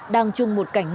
đang chung một cảnh ngô